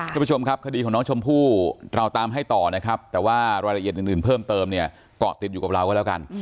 คุณผู้ชมครับคดีของน้องชมพู่เราตามให้ต่อนะครับแต่ว่ารายละเอียดอื่นเพิ่มเติมเนี่ยเกาะติดอยู่กับเราก็แล้วกัน